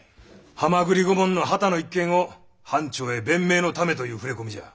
蛤御門の旗の一件を藩庁へ弁明のためという触れ込みじゃ。